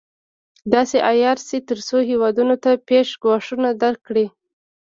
داسې عیار شي تر څو هېواد ته پېښ ګواښونه درک کړي.